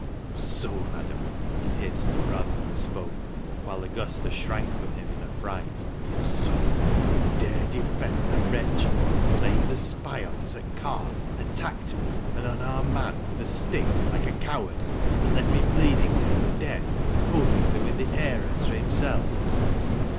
"Soh, madam!" he hissed, rather than spoke, whilst Augusta shrank from him in affright, " soh ! you dare defend the wretch who played the spy on us at Carr — attacked me, an unarmed man, with a stick, like a coward, and left me bleeding there for dead, hoping to win the heiress for himself!"